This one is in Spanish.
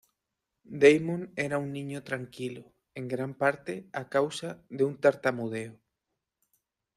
Damon era un niño tranquilo, en gran parte a causa de un tartamudeo.